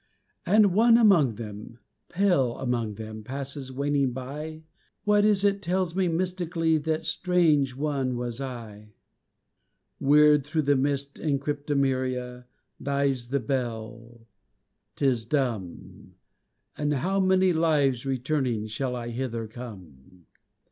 And, one among them pale among them Passes waning by. What is it tells me mystically That strange one was I?... Weird thro' the mist and cryptomeria Dies the bell 'tis dumb. After how many lives returning Shall I hither come?